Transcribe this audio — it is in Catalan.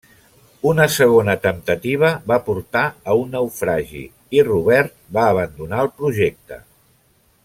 Una segona temptativa va portar a un naufragi, i Robert va abandonar el projecte.